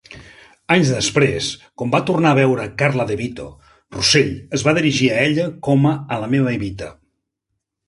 Anys després, quan va tornar a veure Karla DeVito, Russell es va dirigir a ella com a La meva Evita.